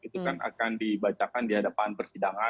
itu kan akan dibacakan di hadapan persidangan